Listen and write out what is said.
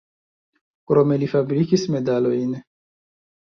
Krome li fabrikis medalojn.